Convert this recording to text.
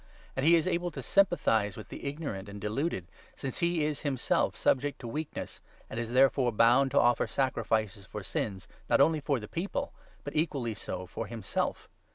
And he is able to sympathize 2 with the ignorant and deluded, since he is himself subject to weakness, and is therefore bound to offer sacrifices for sins, not 3 only for the People, but equally so for himself.